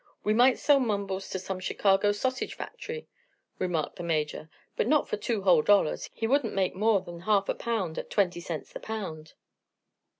"We might sell Mumbles to some Chicago sausage factory," remarked the Major, "but not for two whole dollars. He wouldn't make more than half a pound at twenty cents the pound."